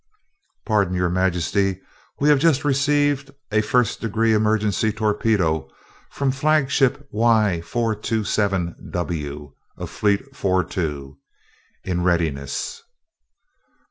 "Pardon, your majesty we have just received a first degree emergency torpedo from flagship Y427W of fleet 42. In readiness."